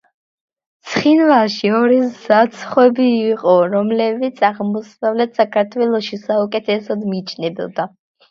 ცხინვალში ორი საცხობი იყო, რომლებიც აღმოსავლეთ საქართველოში საუკეთესოდ მიიჩნეოდა.